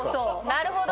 なるほど。